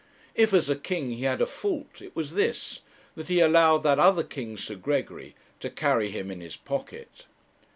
If as a king he had a fault, it was this, that he allowed that other king, Sir Gregory, to carry him in his pocket.